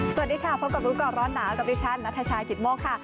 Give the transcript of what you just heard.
สวัสดีค่ะพบกับรู้ก่อนร้อนหนาวกับดิฉันนัทชายกิตโมกค่ะ